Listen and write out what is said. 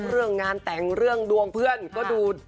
เรื่องงานแต่งเรื่องดวงเพื่อนก็ดู